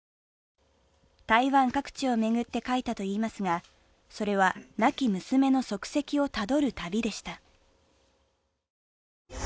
台湾各地を巡って描いたといいますが、それは亡き娘の足跡をたどる旅でした。